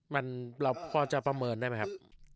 มันเราพอจะประเมินได้ไหมครับ